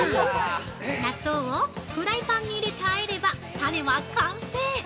納豆をフライパンに入れてあえれば、タネは完成！